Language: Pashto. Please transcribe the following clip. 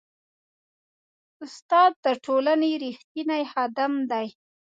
استاد د ټولنې ریښتینی خادم دی.